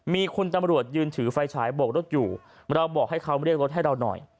มีคุณตำรวจยืนถือไฟฉายโบกรถอยู่เราบอกให้เขาเรียกรถให้เราหน่อย